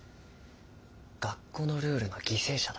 学校のルールの犠牲者だ。